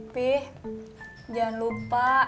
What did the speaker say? pih jangan lupa